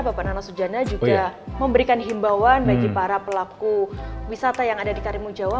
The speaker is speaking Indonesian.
bapak nana sujana juga memberikan himbauan bagi para pelaku wisata yang ada di karimun jawa